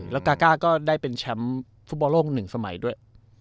แล้วกาก้าก็ได้เป็นแชมป์ฟุตบอลโลก๑สมัยด้วย